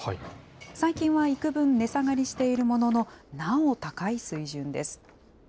最近はいくぶん値下がりしているものの、なお高い水準です。